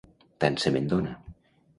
Tant se me'n dona.